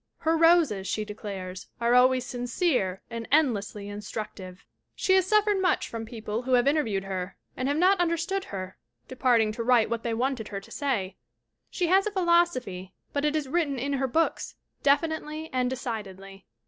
"Her roses, she declares, are always sincere and endlessly instructive." 362 THE WOMEN WHO MAKE OUR NOVELS She has suffered much from people who have in terviewed her and have not understood her, depart ing to write what they wanted her to say. She has a philosophy but it is written in her books, definitely and decidedly.